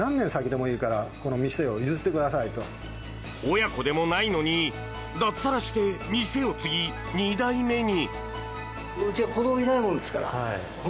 親子でもないのに脱サラして店を継ぎ、２代目に！